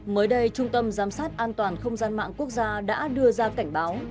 mới đây trung tâm giám sát an toàn không gian mạng quốc gia đã đưa ra cảnh báo